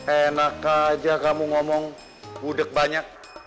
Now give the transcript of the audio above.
enak aja kamu ngomong gudeg banyak